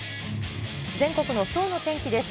全国のきょうの天気です。